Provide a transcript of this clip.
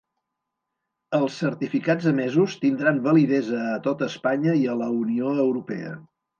Els certificats emesos tindran validesa a tota Espanya i a la Unió Europea.